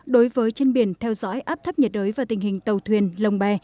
đối với trên biển theo dõi áp thấp nhiệt đới và tình hình tàu thuyền lồng bè